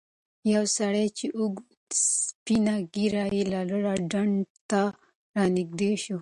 یو سړی چې اوږده سپینه ږیره یې لرله ډنډ ته رانږدې شو.